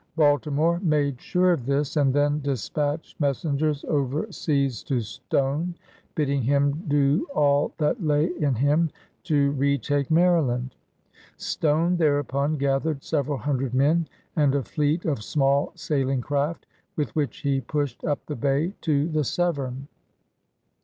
Baltimore made sure of this, and then dispatched messengers over COMMONWEALTH AND RESTORATION 156 seas to Stone, bidding him do all that lay in him to retake Maryland. Stone thereupon gathered several hundred men and a fleet of small sailing craft, with which he pushed up the bay to the Severn.